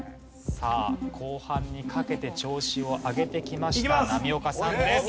さあ後半にかけて調子を上げてきました波岡さんです。